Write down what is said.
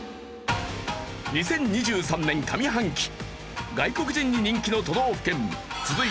２０２３年上半期外国人に人気の都道府県続いて。